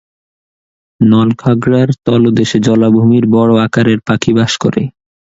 নলখাগড়ার তলদেশে জলাভূমির বড় আকারের পাখি বাস করে।